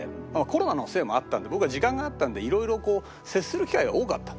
コロナのせいもあったんで僕は時間があったんで色々接する機会が多かった。